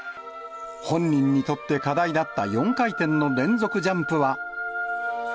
本人にとって課題だった４回転の連続ジャンプは。